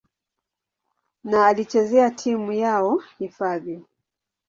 na alichezea timu yao hifadhi.